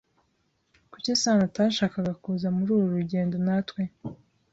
Kuki Sano atashakaga kuza muri uru rugendo natwe?